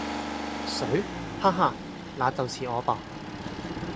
誰？哈哈！那就是我吧！